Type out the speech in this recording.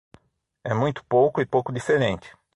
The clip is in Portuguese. É muito pouco e pouco diferente.